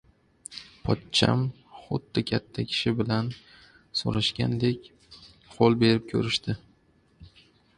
Pochcham xuddi katta kishi bilan so‘rashgandek, qo’l berib ko‘rishdi.